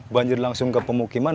banjir langsung ke pemukiman